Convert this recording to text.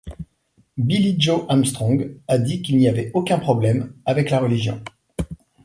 Billie Joe Armstrong a dit qu’il n’y avait aucun problème avec la religion.